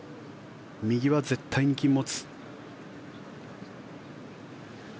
右は絶対に禁物。